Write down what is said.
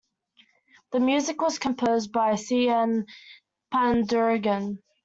The music was composed by C. N. Pandurangan.